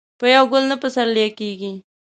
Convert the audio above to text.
په يوه ګل نه پسرلی کېږي.